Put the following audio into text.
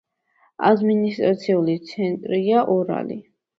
ადმინისტრაციული ცენტრია ორალი.